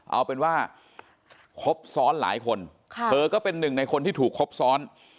เอาเป็นว่าครบซ้อนหลายคนเธอก็เป็นหนึ่งในคนที่ถูกครบซ้อน